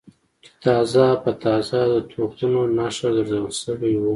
چې تازه په تازه د توپونو نښه ګرځول شوي و.